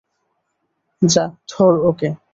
যা, ধর ওকে।